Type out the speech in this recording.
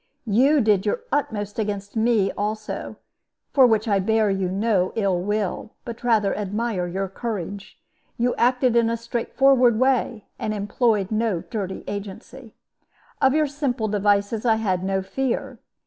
"You did your utmost against me also, for which I bear you no ill will, but rather admire your courage. You acted in a straightforward way, and employed no dirty agency. Of your simple devices I had no fear.